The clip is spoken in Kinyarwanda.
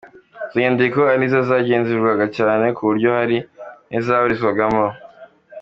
Izo nyandiko ariko zaragenzurwaga cyane, ku buryo hari n’izaburizwagamo.